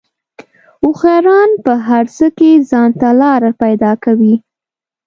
هوښیاران په هر څه کې ځان ته لار پیدا کوي.